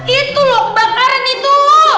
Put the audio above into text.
itu loh kebakaran itu